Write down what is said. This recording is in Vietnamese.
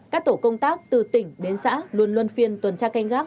các tổ công tác từ tỉnh đến xã luôn luôn phiên tuần tra canh gác